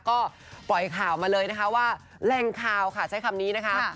ก็ปล่อยข่าวมาเลยนะคะว่าแรงข่าวค่ะใช้คำนี้นะคะ